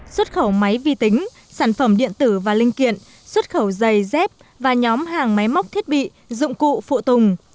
xuất khẩu máy vi tính sản phẩm điện tử và linh kiện xuất khẩu dây dép và nhóm hàng máy móc thiết bị dụng cụ phụ tùng